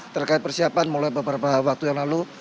terkait persiapan mulai beberapa waktu yang lalu